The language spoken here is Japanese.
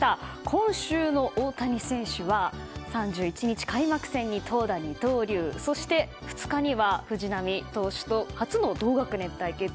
今週の大谷選手は３１日開幕戦に投打二刀流そして２日には藤浪投手と初の同学年対決。